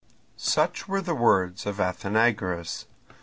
Such were the words of Athenagoras.